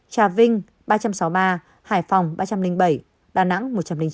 trà vinh ba trăm sáu mươi ba hải phòng ba trăm linh bảy đà nẵng một trăm linh sáu